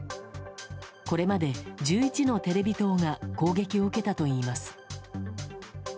これまで１１のテレビ塔が攻撃を受けたといいます。